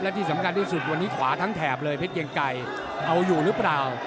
และที่สำคัญที่สุดวันนี้ขวาทั้งแถบเลยเพชรเกียงไกรเอาอยู่หรือเปล่า